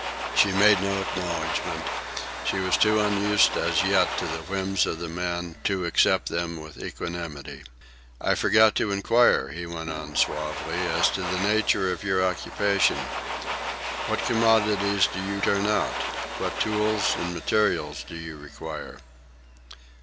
She made no acknowledgment. She was too unused as yet to the whims of the man to accept them with equanimity. "I forgot to inquire," he went on suavely, "as to the nature of your occupation. What commodities do you turn out? What tools and materials do you require?"